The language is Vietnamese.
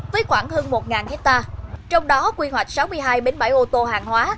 với khoảng hơn một hectare trong đó quy hoạch sáu mươi hai bến bãi ô tô hàng hóa